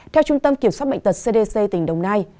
theo trung tâm kiểm soát bệnh tật cdc tỉnh đồng nai